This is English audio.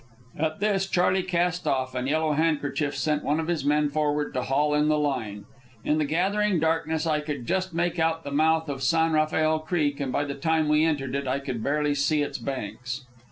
At this Charley cast off, and Yellow Handkerchief sent one of his men forward to haul in the line. In the gathering darkness I could just make out the mouth of San Rafael Creek, and by the time we entered it I could barely see its banks.